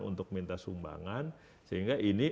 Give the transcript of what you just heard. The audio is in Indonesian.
untuk minta sumbangan sehingga ini